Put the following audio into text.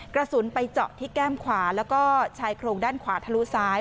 กระสุนไปเจาะที่แก้มขวาแล้วก็ชายโครงด้านขวาทะลุซ้าย